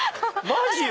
マジよ！